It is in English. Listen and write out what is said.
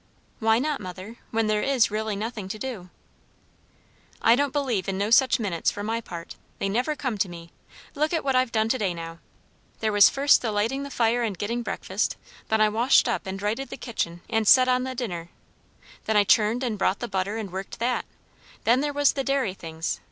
"Why not, mother? when there is really nothing to do." "I don't believe in no such minutes, for my part. They never come to me. Look at what I've done to day, now. There was first the lighting the fire and getting breakfast. Then I washed up, and righted the kitchen and set on the dinner. Then I churned and brought the butter and worked that. Then there was the dairy things.